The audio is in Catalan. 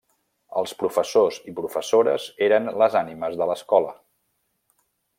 Els professors i professores eren les ànimes de l'escola.